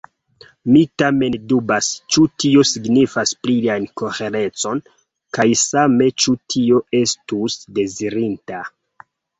Mi tamen dubas, ĉu tio signifas plian koherecon, kaj same, ĉu tio estus dezirinda.